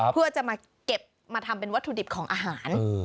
เพื่อจะมาเก็บมาทำเป็นวัตถุดิบของอาหาร